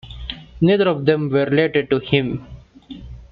Neither of them were related to him.